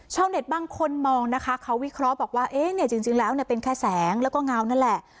เน็ตบางคนมองนะคะเขาวิเคราะห์บอกว่าเอ๊ะเนี่ยจริงแล้วเป็นแค่แสงแล้วก็เงานั่นแหละ